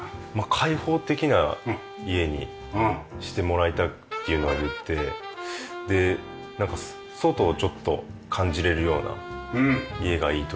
開放的な家にしてもらいたいっていうのは言ってで外をちょっと感じられるような家がいいという。